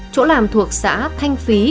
chỗ làm thuộc xã thanh phí